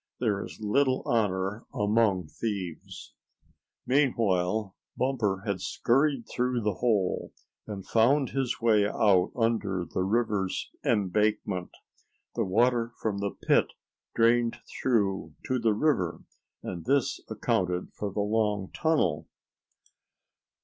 There is little honor among thieves. Meanwhile, Bumper had scurried through the hole, and found his way out under the river's embankment. The water from the pit drained through to the river, and this accounted for the long tunnel.